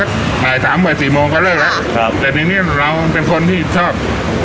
บ่ายสามบ่ายสี่โมงก็เลิกแล้วครับแต่ทีนี้เราเป็นคนที่ชอบ